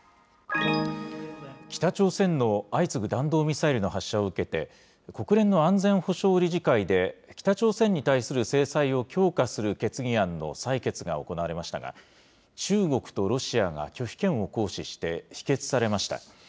北朝鮮の相次ぐ弾道ミサイルの発射を受けて、国連の安全保障理事会で、北朝鮮に対する制裁を強化する決議案の採決が行われましたが、中国とロシアが拒否権を行使して、否決されました。